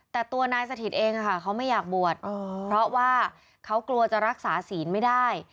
แต่ตัวนายสถิตเองเขาไม่อยากบวชเพราะว่าเขากลัวจะรักษาศีลไม่ได้